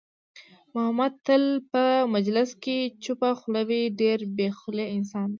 محمود تل په مجلس کې چوپه خوله وي، ډېر بې خولې انسان دی.